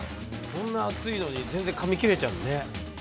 こんな厚いのにかみ切れちゃうんだね。